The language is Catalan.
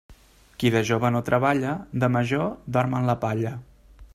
Qui de jove no treballa, de major dorm en la palla.